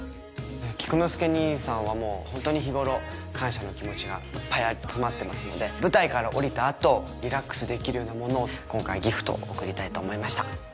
菊之助兄さんはもうホントに日頃感謝の気持ちがいっぱい詰まってますので舞台から降りた後リラックスできるようなものを今回ギフトを贈りたいと思いました。